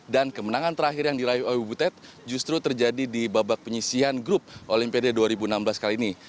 dan kemenangan terakhir yang diraih ui butet justru terjadi di babak penyisian grup olimpiade dua ribu enam belas kali ini